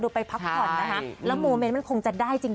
ไปพักผ่อนนะคะแล้วโมเมนต์มันคงจะได้จริง